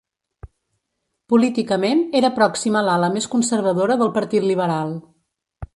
Políticament, era pròxim a l'ala més conservadora del partit liberal.